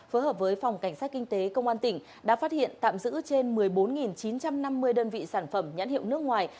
phối hợp với phòng cảnh sát kinh tế công an tỉnh đã phát hiện tạm giữ trên một mươi bốn chín trăm năm mươi đơn vị sản phẩm nhãn hiệu nước ngoài